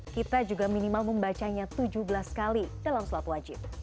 kita juga minimal membacanya tujuh belas kali dalam sholat wajib